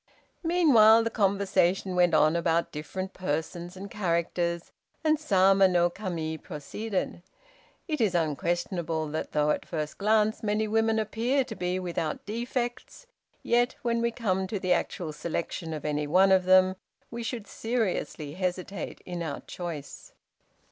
Meanwhile, the conversation went on about different persons and characters, and Sama no Kami proceeded: "It is unquestionable that though at first glance many women appear to be without defects, yet when we come to the actual selection of any one of them, we should seriously hesitate in our choice.